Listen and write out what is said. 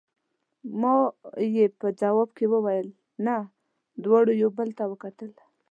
ما یې په ځواب کې وویل: نه، دواړو یو بل ته وکتل.